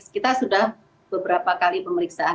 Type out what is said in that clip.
kita sudah beberapa kali pemeriksaan